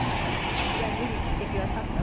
芝居を見に来てくださった？